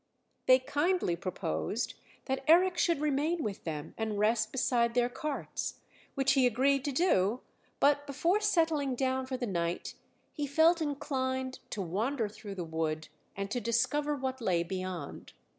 They kindly proposed that Eric should remain with them and rest beside their carts, which he agreed to do; but before settling down for the night he felt inclined to wander through the wood and to discover what lay beyond.